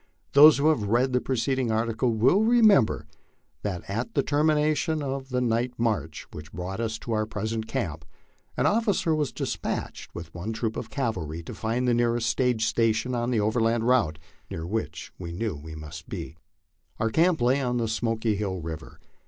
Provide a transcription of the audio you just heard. Those who have read the preceding article will remember that at the termination of the night march which brought us to our present camp, an officer was despatched with one troop of cavalry to find the nearest stage station on the overland route, near which we knew we must then be. Our camp lay on the Smoky Hill river.